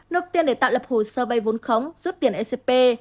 nộp tiền để tạo lập hồ sơ vai vốn khống rút tiền scp